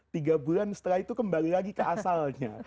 tiga bulan setelah itu kembali lagi ke asalnya